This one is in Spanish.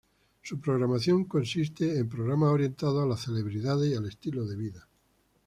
Su programación consiste en programas orientados a las celebridades y el estilo de vida.